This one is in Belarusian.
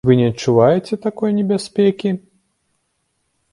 Вы не адчуваеце такой небяспекі?